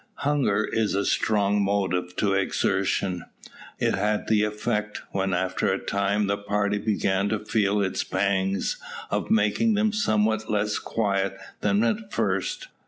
Hunger is a strong motive to exertion. It had the effect, when after a time the party began to feel its pangs, of making them somewhat less quiet than at first.